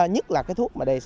nhất là cái thuốc mà đề xử